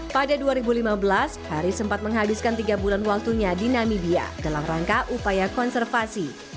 pada dua ribu lima belas hari sempat menghabiskan tiga bulan waktunya di namibia dalam rangka upaya konservasi